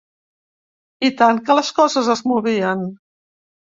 I tant que les coses es movien.